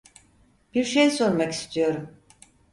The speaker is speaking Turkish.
Bir şey sormak istiyorum.